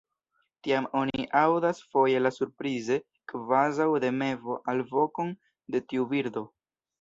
Tiam oni aŭdas foje la surprize kvazaŭ de mevo alvokon de tiu birdo.